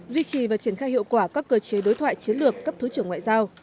duy trì và triển khai hiệu quả các cơ chế đối thoại chiến lược cấp thứ trưởng ngoại giao